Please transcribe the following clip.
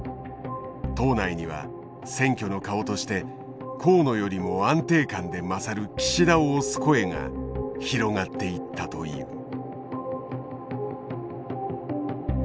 党内には選挙の顔として河野よりも安定感で勝る岸田を推す声が広がっていったという。